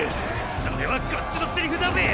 それはこっちのセリフだべ！